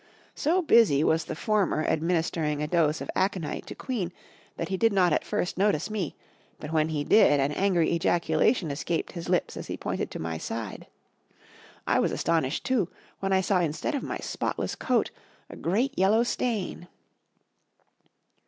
So busy was the former administering a dose of aconite to Queen that he did not at first notice me, but when he did an angry ejaculation escaped his lips as he pointed to my side. I was astonished, too, when I saw instead of my spotless coat, a great yellow stain.